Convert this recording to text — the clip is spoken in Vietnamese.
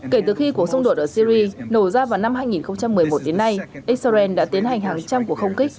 kể từ khi cuộc xung đột ở syri nổ ra vào năm hai nghìn một mươi một đến nay israel đã tiến hành hàng trăm cuộc không kích